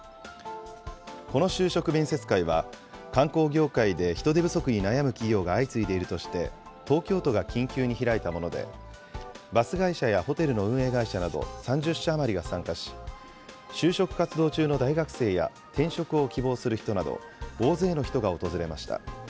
この就職面接会は、観光業界で人手不足に悩む企業が相次いでいるとして、東京都が緊急に開いたもので、バス会社やホテルの運営会社など３０社余りが参加し、就職活動中の大学生や転職を希望する人など、大勢の人が訪れました。